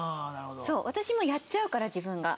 そう私もやっちゃうから自分が。